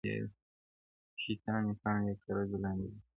شيطاني پاڼي يې كړلې لاندي باندي -